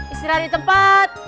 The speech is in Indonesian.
istirahat di tempat